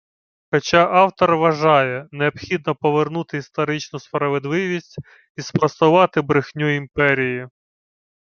Хоча автор вважає: необхідно повернути історичну справедливість і спростувати брехню імперії